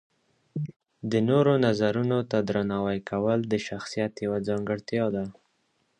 د نورو نظرونو ته درناوی کول د شخصیت یوه ځانګړتیا ده.